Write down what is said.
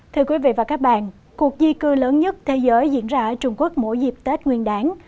thưa quý vị và các bạn cuộc di cư lớn nhất thế giới diễn ra ở trung quốc mỗi dịp tết nguyên đáng